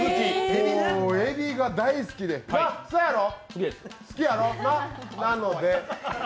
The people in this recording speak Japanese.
エビが大好きで、な、そやろ。